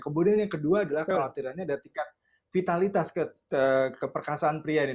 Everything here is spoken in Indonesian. kemudian yang kedua adalah kekhawatirannya ada tingkat vitalitas keperkasaan pria ini